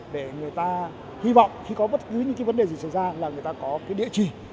để người ta hy vọng khi có bất cứ vấn đề gì xảy ra là người ta có địa chỉ